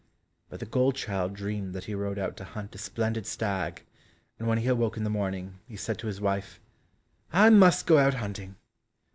But the gold child dreamed that he rode out to hunt a splendid stag, and when he awoke in the morning, he said to his wife, "I must go out hunting."